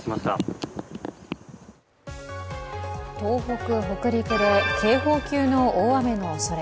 東北・北陸で警報級の大雨のおそれ。